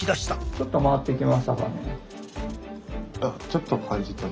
ちょっと回ってきましたかね？